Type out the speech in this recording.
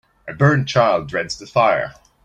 A burnt child dreads the fire.